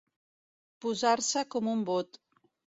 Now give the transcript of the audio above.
Posar-se com un bot.